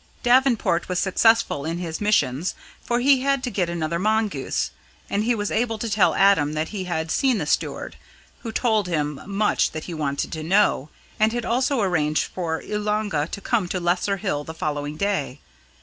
Davenport was successful in his missions, for he had to get another mongoose, and he was able to tell Adam that he had seen the steward, who told him much that he wanted to know, and had also arranged for Oolanga to come to Lesser Hill the following day.